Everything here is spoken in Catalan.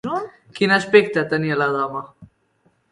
Quin aspecte tenia la dama?